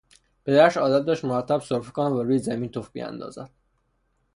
پدرش عادت داشت مرتب سرفه کند و روی زمین تف بیاندازد.